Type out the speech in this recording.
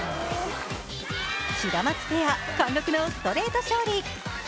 シダマツペア、貫禄のストレート勝利。